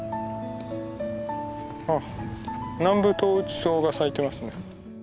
あっナンブトウウチソウが咲いてますね。